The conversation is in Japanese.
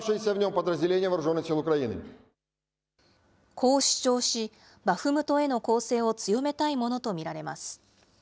こう主張し、バフムトへの攻勢を強めたいものと見られます。